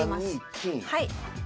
はい。